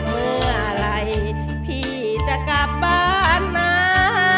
เมื่อไหร่พี่จะกลับบ้านนะ